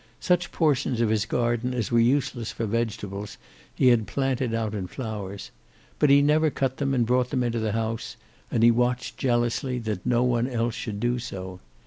Such portions of his garden as were useless for vegetables he had planted out in flowers. But he never cut them and brought them into the house, and he watched jealously that no one else should do so.